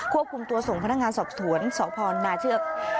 ควบคุมตัวส่งพนักงานสอบสวนสพนาเชือก